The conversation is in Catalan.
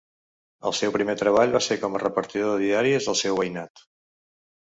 El seu primer treball va ser com a repartidor de diaris al seu veïnat.